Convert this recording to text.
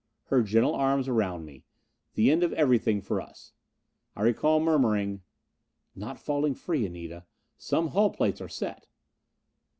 Her gentle arms around me. The end of everything for us. I recall murmuring, "Not falling free, Anita. Some hull plates are set."